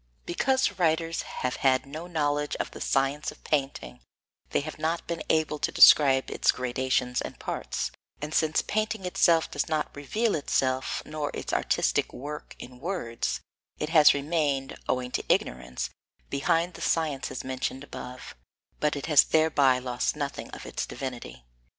5. Because writers have had no knowledge of the science of painting, they have not been able to describe its gradations and parts, and since painting itself does not reveal itself nor its artistic work in words, it has remained, owing to ignorance, behind the sciences mentioned above, but it has thereby lost nothing of its divinity.